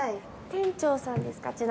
店長さんですか？